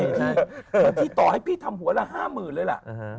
ส่วนที่ต่อให้พี่ทำหัวล่ะ๕หมื่นเลยล่ะ